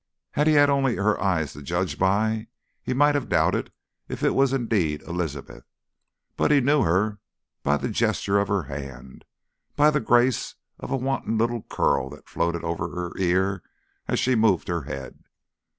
Had he had only her eyes to judge by he might have doubted if it was indeed Elizabeth, but he knew her by the gesture of her hand, by the grace of a wanton little curl that floated over her ear as she moved her head.